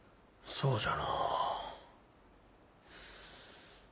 そうじゃ。